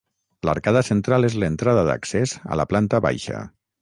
L'arcada central és l'entrada d'accés a la planta baixa.